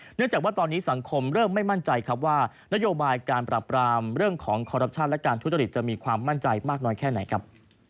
เนื่องจากว่าตอนนี้สังคมเริ่มไม่มั่นใจครับว่านโยบายการปรับรามเรื่องของคอรัปชั่นและการทุจริตจะมีความมั่นใจมากน้อยแค่ไหนครับ